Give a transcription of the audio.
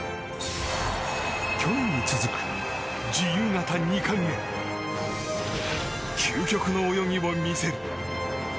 去年に続く自由形２冠へ究極の泳ぎを見せる。